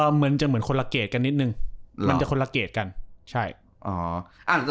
เหมือนจะเหมือนคนละเกจกันนิดนึงมันจะคนละเกจกัน